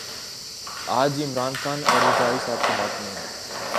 آج یہ عمران خان اور زرداری صاحب کے ہاتھ میں ہے۔